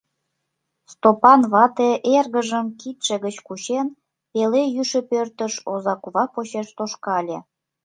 Стопан вате, эргыжым кидше гыч кучен, пеле шӱйшӧ пӧртыш озакува почеш тошкале.